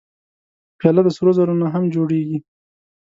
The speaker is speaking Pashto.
پیاله د سرو زرو نه هم جوړېږي.